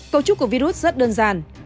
cấu trúc của virus rất đơn giản